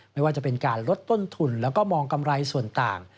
ไม่ว่าจะเป็นการลดต้นทุนแล้วก็มองกำไรส่วนต่าง